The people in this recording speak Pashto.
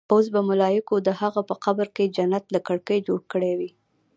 اوس به ملايکو د هغه په قبر کې جنت له کړکۍ جوړ کړې وي.